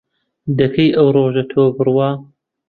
دەکەی ئەو ڕۆژە تۆ بڕوا